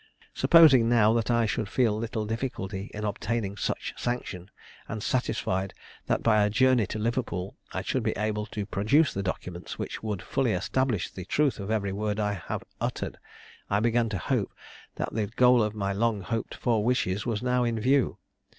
Supposing now that I should feel little difficulty in obtaining such sanction, and satisfied that by a journey to Liverpool I should be able to produce documents which would fully establish the truth of every word I had uttered, I began to hope that the goal of my long hoped for wishes was now in view.